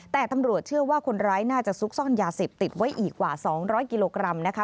แต่ตำรวจเชื่อว่าคนร้ายน่าจะซุกซ่อนยาเสพติดไว้อีกกว่า๒๐๐กิโลกรัมนะคะ